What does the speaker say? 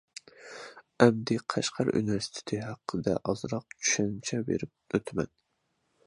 ئەمدى قەشقەر ئۇنىۋېرسىتېتى ھەققىدە ئازراق چۈشەنچە بېرىپ ئۆتىمەن.